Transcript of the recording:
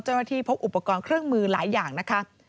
เจ้าที่พบอุปกรณ์เครื่องมือหลายอย่างนะคะ